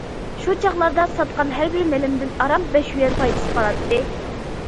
شۇ چاغلاردا ساتقان ھەر بىر مېلىمدىن ئاران بەش يۈەن پايدىسى قالاتتى.